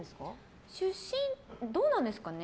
どうなんですかね。